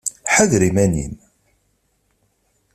Ḥader iman-im!